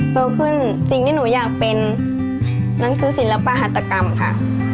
โตขึ้นสิ่งที่หนูอยากเป็นนั่นคือศิลปหัตกรรมค่ะ